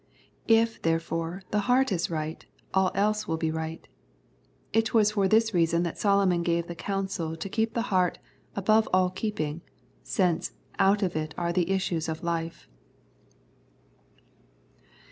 If, therefore, the heart is right, all else will be right It was for this reason that Solomon gave the counsel to keep the heart " above all keeping," since " out of it are the issues of life."